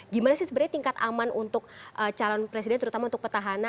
gimana sih sebenarnya tingkat aman untuk calon presiden terutama untuk petahana